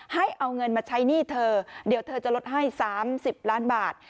ให้เอาเงินมาใช้หนี้เธอเดี๋ยวเธอจะลดให้๓๐ล้านบาท